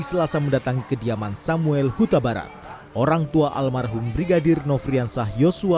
selasa mendatangi kediaman samuel huta barat orangtua almarhum brigadir nofriansah yosua